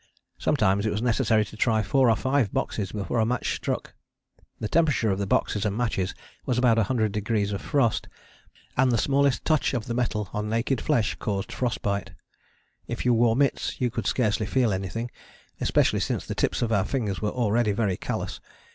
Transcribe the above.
Sometimes it was necessary to try four or five boxes before a match struck. The temperature of the boxes and matches was about a hundred degrees of frost, and the smallest touch of the metal on naked flesh caused a frost bite. If you wore mitts you could scarcely feel anything especially since the tips of our fingers were already very callous.